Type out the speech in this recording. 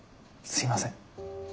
すみません